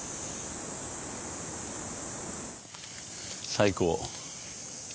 最高！